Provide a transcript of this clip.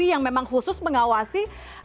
yang memang khusus mengawasi